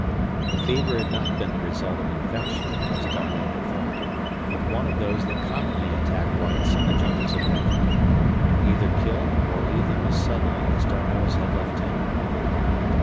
The fever had not been the result of infection, as D'Arnot had thought, but one of those that commonly attack whites in the jungles of Africa, and either kill or leave them as suddenly as D'Arnot's had left him.